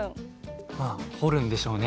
まあ彫るんでしょうね。